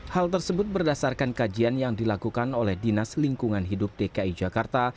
hal tersebut berdasarkan kajian yang dilakukan oleh dinas lingkungan hidup dki jakarta